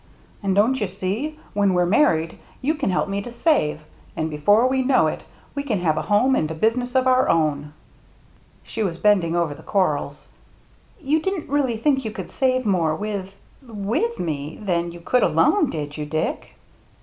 And don't you see, when we're married you can help me to save, and before we know it we can have a home and a business of our own." She was bending over the corals. "You didn't really think you could save more with — with me, than you could alone, did you, Dick?"